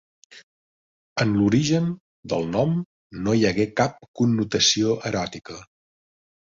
En l'origen del nom no hi hagué cap connotació eròtica.